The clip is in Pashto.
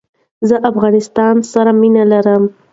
زه افغانستان سر مینه لرم